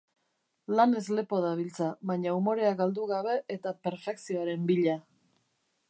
Lanez lepo dabiltza, baina umorea galdu gabe eta perfekzioaren bila.